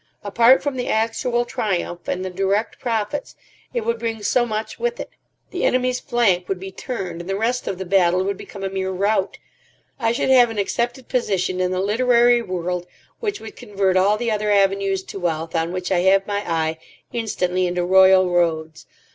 Apart from the actual triumph and the direct profits, it would bring so much with it. The enemy's flank would be turned, and the rest of the battle would become a mere rout. I should have an accepted position in the literary world which would convert all the other avenues to wealth on which I have my eye instantly into royal roads.